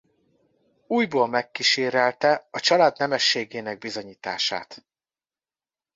Újból megkísérelte a család nemességének bizonyítását.